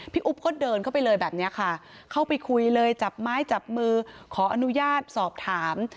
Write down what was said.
อุ๊บก็เดินเข้าไปเลยแบบนี้ค่ะเข้าไปคุยเลยจับไม้จับมือขออนุญาตสอบถาม